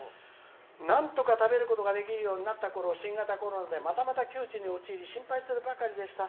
なんとか食べることができるようになったころ新型コロナでまたまた窮地に陥り心配するばかりでした。